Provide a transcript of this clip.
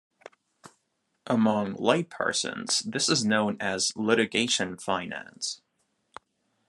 Among laypersons, this is known as litigation finance.